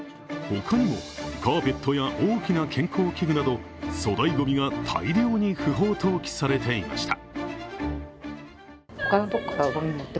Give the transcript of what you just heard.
他にもカーペットや大きな健康器具など粗大ごみが大量に不法投棄されていました。